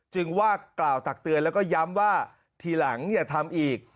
ว่ากล่าวตักเตือนแล้วก็ย้ำว่าทีหลังอย่าทำอีก